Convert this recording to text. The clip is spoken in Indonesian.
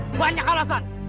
hah banyak alasan